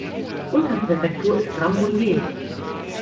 Unterpräfektur ist Rambouillet.